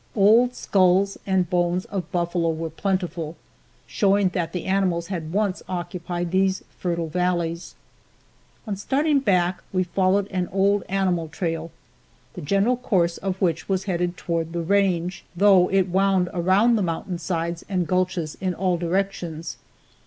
Old skulls and bones of buffalo were plentiful, showing that the animals had once occupied these fertile valleys. On starting back we followed an old animal trail, the general course of which was headed toward the range, though it wound around the mountain sides and gulches in all directions.